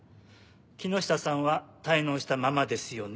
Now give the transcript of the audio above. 「木下さんは滞納したままですよね」